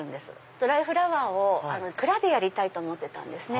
ドライフラワーを蔵でやりたいと思ってたんですね。